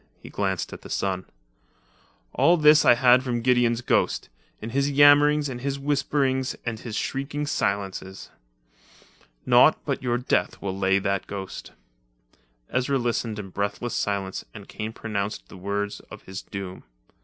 He glanced at the sun. "All this I had from Gideon's ghost, in his yammerings and his whisperings and his shrieking silences. Naught but your death will lay that ghost." Ezra listened in breathless silence and Kane pronounced the words of his doom.